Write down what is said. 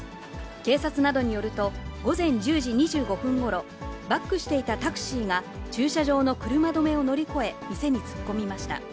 警察などによると、午前１０時２５分ごろ、バックしていたタクシーが駐車場の車止めを乗り越え、店に突っ込みました。